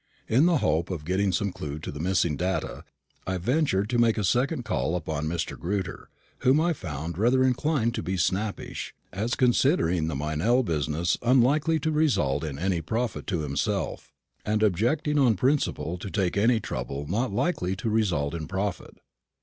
In the hope of getting some clue to the missing data, I ventured to make a second call upon Mr. Grewter, whom I found rather inclined to be snappish, as considering the Meynell business unlikely to result in any profit to himself, and objecting on principle to take any trouble not likely to result in profit.